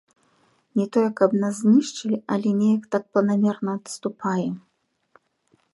Не тое, каб нас знішчылі, але неяк так планамерна адступаем.